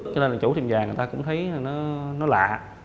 cho nên là chủ tiệm vàng người ta cũng thấy là nó lạ